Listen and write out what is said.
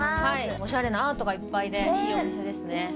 おしゃれなアートがいっぱいでいいお店ですね。